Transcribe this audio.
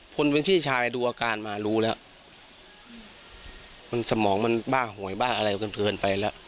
คนเป็นพี่ชายดูอาการมารู้แล้วมันสมองมันบ้าหวยบ้าอะไรกันเกินไปแล้ว